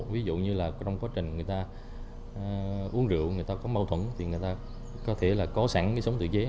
ví dụ như là trong quá trình người ta uống rượu người ta có mâu thuẫn thì người ta có thể là có sẵn cái sống tự chế